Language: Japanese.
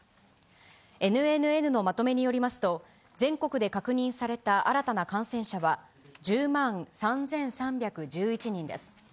ＮＮＮのまとめによりますと、全国で確認された新たな感染者は１０万３３１１人です。